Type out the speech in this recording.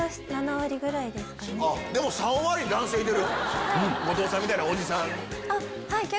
でも３割男性いてる。